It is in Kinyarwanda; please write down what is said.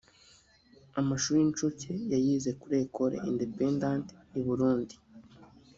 Amashuri y’incuke yayize kuri Ecole Independante i Burundi